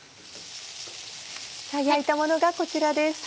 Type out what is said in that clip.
焼いたものがこちらです。